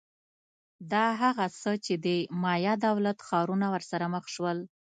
دا هغه څه چې د مایا دولت ښارونه ورسره مخ شول